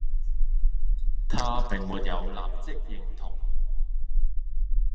她並沒有立即認同